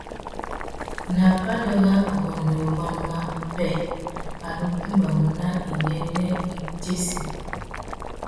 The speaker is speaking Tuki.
Nà pandúrâwurrôndô manô má upwê, a nù tumbamú nà iyênêritsessi.